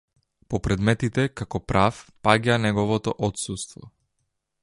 По предметите, како прав, паѓа неговото отсуство.